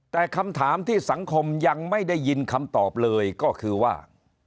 แต่คำถามที่สังคมยังไม่ได้ยินคำตอบเลยก็คือว่า